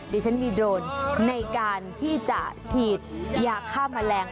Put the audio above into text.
ดิจันทร์วีดโรนในการที่จะถีดยากฆ่ามแมลง